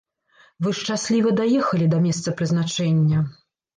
Вы шчасліва даехалі да месца прызначэння.